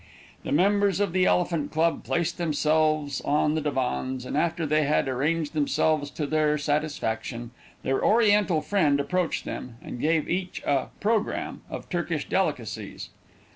The members of the Elephant Club placed themselves on the divans, and after they had arranged themselves to their satisfaction, their oriental friend approached them, and gave to each a "programme" of Turkish delicacies.